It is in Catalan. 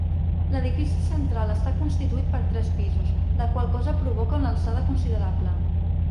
L'edifici central està constituït per tres pisos, la qual cosa provoca una alçada considerable.